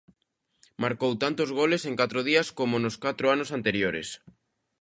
Marcou tantos goles en catro días como nos catro anos anteriores.